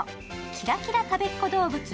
キラキラたべっ子どうぶつ